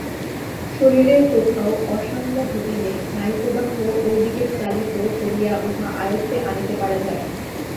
শরীরের কোথাও অসাম্য ঘটিলে স্নায়ুপ্রবাহ ঐ দিকে চালিত করিয়া উহা আয়ত্তে আনিতে পারা যায়।